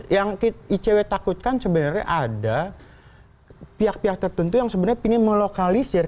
yang icw takutkan sebenarnya ada pihak pihak tertentu yang sebenarnya ingin melokalisir